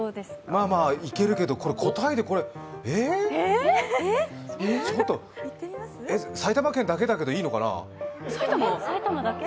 まあまあいけるけど、答えて埼玉県だけだけど、いいのかな。